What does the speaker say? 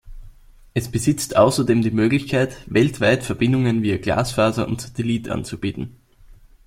Es besitzt außerdem die Möglichkeit, weltweit Verbindungen via Glasfaser und Satellit anzubieten.